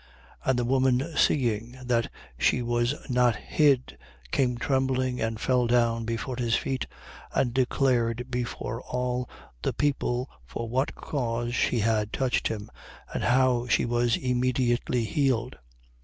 8:47. And the woman seeing that she was not hid, came trembling and fell down before his feet and declared before all the people for what cause she had touched him, and how she was immediately healed.